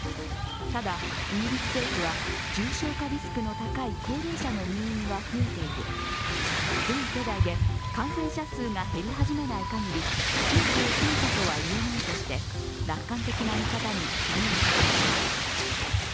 ただ、イギリス政府は重症化リスクの高い高齢者の入院は増えている、全世代で感染者数が減り始めないかぎりピークを過ぎたとはいえないとして楽観的な見方にクギを刺しました。